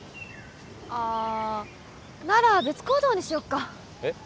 ああなら別行動にしよっかえっ？